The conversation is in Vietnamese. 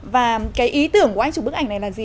và cái ý tưởng của anh chụp bức ảnh này là gì